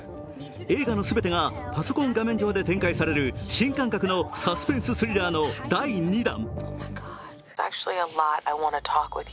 映画の全てがパソコン画面上で展開される新感覚のサスペンススリラーの第２弾。